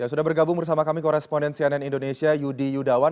sudah bergabung bersama kami koresponden cnn indonesia yudi yudawan